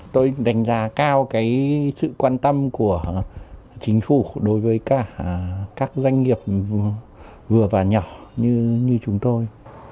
tôi đánh giá cao sự quan tâm của chính phủ đối với cả các doanh nghiệp vừa và nhỏ như chúng tôi